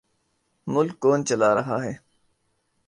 ملک کون چلا رہا ہے؟